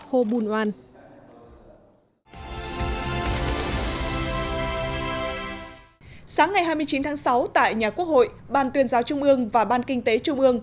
ho bun wan sáng ngày hai mươi chín tháng sáu tại nhà quốc hội ban tuyên giáo trung ương và ban kinh tế trung ương